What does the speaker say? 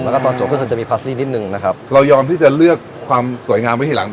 แล้วก็ตอนจบก็คือจะมีพาสซี่นิดนึงนะครับเรายอมที่จะเลือกความสวยงามไว้ทีหลัง